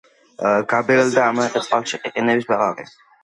გაბერილი და ამაყი წყალში ყიყინებს ბაყაყი.